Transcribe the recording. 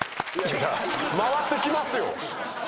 回ってきますよ。